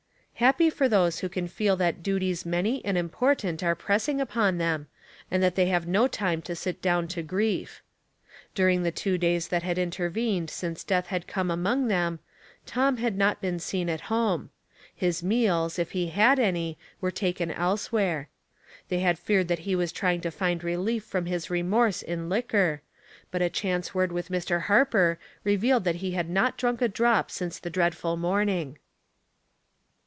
Happy for those who can feel that duties many and important are pressing upon them, and that they have no time to sit down to grief. During the two days that had intervened since death had come among them, Tom had not been Been at home ; his meals, if he had any, were taken elsewhere. They had feared that he was trying to find relief from his remorse in liquor, God's Mystery of Grace, 327 but a chance word with Mr. Harper revealed that he had not drank a drop since the dreadful morning.